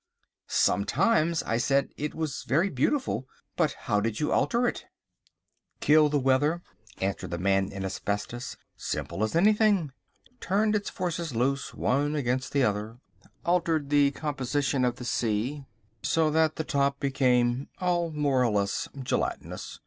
"Sometimes," I said, "it was very beautiful. But how did you alter it?" "Killed the weather!" answered the Man in Asbestos. "Simple as anything—turned its forces loose one against the other, altered the composition of the sea so that the top became all more or less gelatinous.